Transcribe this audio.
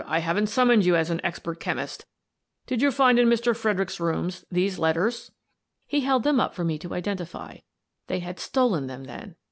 I haven't sum moned you as an expert chemist Did you find, in Mr. Fredericks's rooms, these letters?" He held them up for me to identify, — they had stolen them, then!